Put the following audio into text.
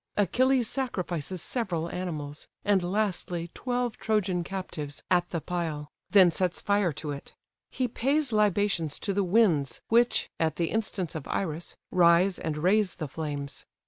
Achilles sacrifices several animals, and lastly twelve Trojan captives, at the pile; then sets fire to it. He pays libations to the Winds, which (at the instance of Iris) rise, and raise the flames.